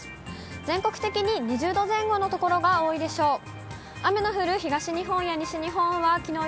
全国的に２０度前後の所が多いでしょう。